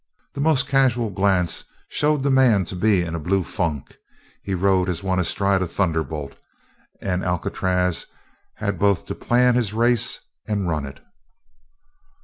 The most casual glance showed the man to be in a blue funk; he rode as one astride a thunderbolt and Alcatraz had both to plan his race and run it.